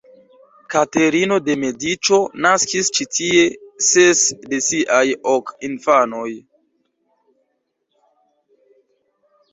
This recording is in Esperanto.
Katerino de Mediĉo naskis ĉi tie ses de siaj ok infanoj.